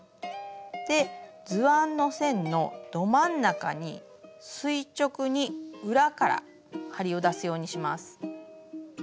図案の線のど真ん中に垂直に裏から針を出すようにします。